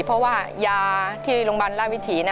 เพราะว่ายาที่โรงพยาบาลราชวิถี